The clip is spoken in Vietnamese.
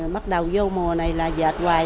bắt đầu vô mùa này là dệt hoài